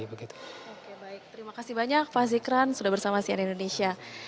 oke baik terima kasih banyak pak zikran sudah bersama sian indonesia